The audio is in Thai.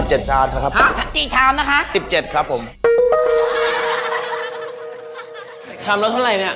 ชามละเท่าไหร่เนี่ย